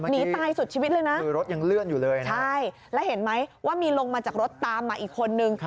นี่ตายสุดชีวิตเลยนะใช่แล้วเห็นไหมว่ามีลงมาจากรถตามมาอีกคนนึง